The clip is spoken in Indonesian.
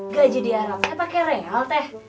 gaji di arab saya pakai real teh